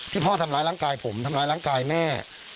พ่อทำร้ายร่างกายผมทำร้ายร่างกายแม่